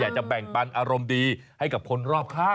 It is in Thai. จะแบ่งปันอารมณ์ดีให้กับคนรอบข้าง